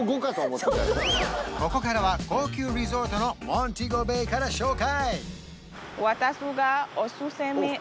ここからは高級リゾートのモンテゴベイから紹介